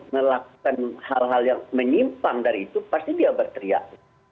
melakukan hal hal yang menyimpang dari itu pasti dia berteriak